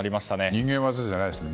人間業じゃないですね。